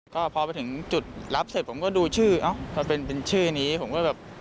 ก็พอไปถึงจุดรับเสร็จผมก็ดูชื่อเอ้าพอเป็นชื่อนี้ผมก็แบบ